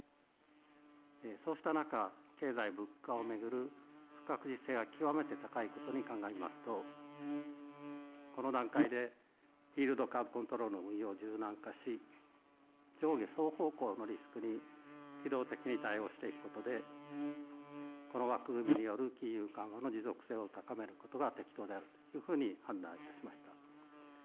そうした中、経済、物価を巡る不確実性が極めて高いことに鑑みますと、この段階でイールドカーブ・コントロールの運用を柔軟化し、上下双方向のリスクに機動的に対応していくことで、この枠組みによる金融緩和の持続性を高めることが適当であるというふうに判断いたしました。